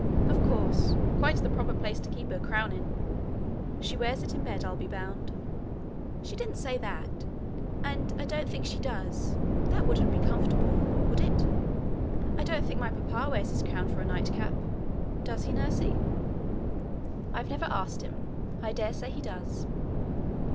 'Of course quite the proper place to keep her crown in. She wears it in bed, I'll be bound.' 'She didn't say that. And I don't think she does. That wouldn't be comfortable would it? I don't think my papa wears his crown for a night cap. Does he, nursie?' 'I never asked him. I dare say he does.'